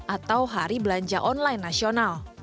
atau hari belanja online nasional